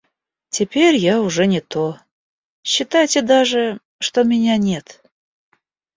Теперь я уже не то, считайте даже, что меня нет.